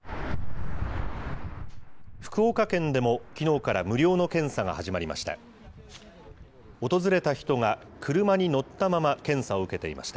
福岡県でも、きのうから無料の検査が始まりました。